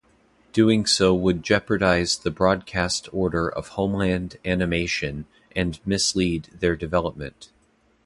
Doing so would jeopardize the broadcast order of homemade animation and mislead their development.